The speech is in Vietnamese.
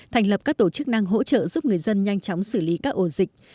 thành lập các tổ chức năng hỗ trợ giúp người dân nhanh chóng xử lý các ổ dịch